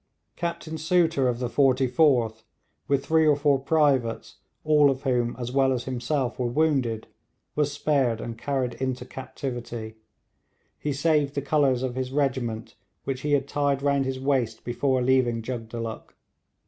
Captain Souter of the 44th, with three or four privates all of whom as well as himself were wounded, was spared and carried into captivity; he saved the colours of his regiment, which he had tied round his waist before leaving Jugdulluk.